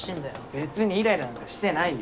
別にイライラなんかしてないよ。